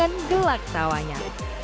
dan dengan gelak tawanya